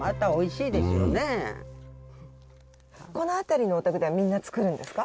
この辺りのお宅ではみんな作るんですか。